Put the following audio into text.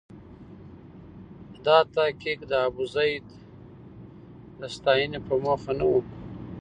دا تحقیق د ابوزید د ستاینې په موخه نه و.